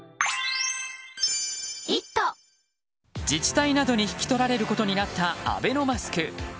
自治体などに引き取られることになったアベノマスク。